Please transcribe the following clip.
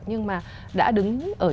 nhưng mà đã đứng ở trên